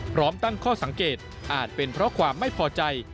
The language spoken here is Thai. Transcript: พร้อมตั้งข้อสังเกตอาจเป็นเพราะความไม่พอใจ